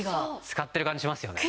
使ってる感じしますよね。